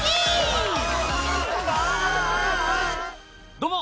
どうも。